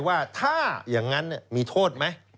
ว่าถ้าอย่างนั้นมีโทษไหม